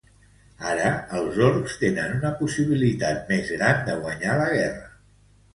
Ara, els Orcs tenen una possibilitat més gran de guanyar la guerra.